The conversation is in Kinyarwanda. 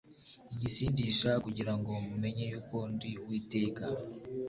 igisindisha kugira ngo mumenye yuko ndi uwiteka